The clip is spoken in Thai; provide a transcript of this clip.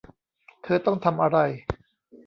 เธอต้องทำอะไร